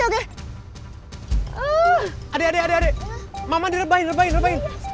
ya udah mama nggak usah turun tuh